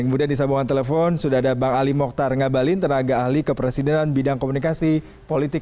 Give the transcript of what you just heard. kemudian di sambungan telepon sudah ada bang ali mokhtar ngabalin tenaga ahli kepresidenan bidang komunikasi politik